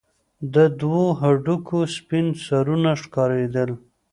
د دوو هډوکو سپين سرونه ښكارېدل.